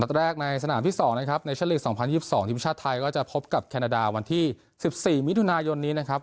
แรกในสนามที่๒นะครับในชั่นลีก๒๐๒๒ทีมชาติไทยก็จะพบกับแคนาดาวันที่๑๔มิถุนายนนี้นะครับ